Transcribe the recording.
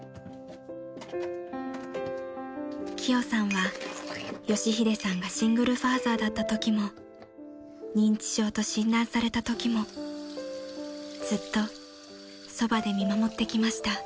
［キヨさんは佳秀さんがシングルファーザーだったときも認知症と診断されたときもずっとそばで見守ってきました］